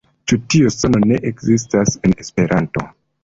Ĉi tiu sono ne ekzistas en Esperanto.